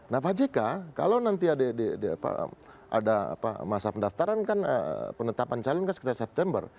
nah pak jk kalau nanti ada masa pendaftaran kan penetapan calon kan sekitar september